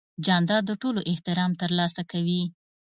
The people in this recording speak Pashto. جانداد د ټولو احترام ترلاسه کوي.